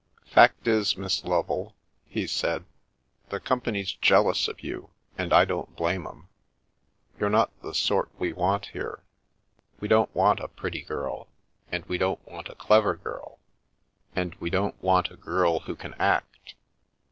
" Fact is, Miss Lovel," he said, " the company's jealous of you, and I don't blame 'em. You're not the sort we want here — we don't want a pretty girl, and we don't want a clever girl, and we don't want a girl who can act.